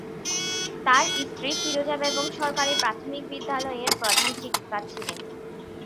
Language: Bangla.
তার স্ত্রী ফিরোজা বেগম সরকারি প্রাথমিক বিদ্যালয়ের প্রধান শিক্ষিকা ছিলেন।